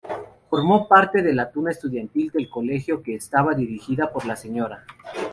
Formó parte de la Tuna Estudiantil del colegio, que estaba dirigida por la Sra.